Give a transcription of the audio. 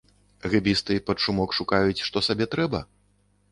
Гэбісты пад шумок шукаюць, што сабе трэба?